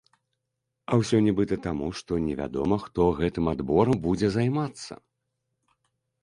А ўсё нібыта таму, што не вядома, хто гэтым адборам будзе займацца.